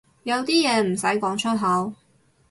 有啲嘢唔使講出口